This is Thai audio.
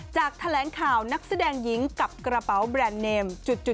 แถลงข่าวนักแสดงหญิงกับกระเป๋าแบรนด์เนม